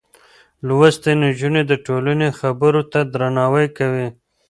لوستې نجونې د ټولنې خبرو ته درناوی کوي.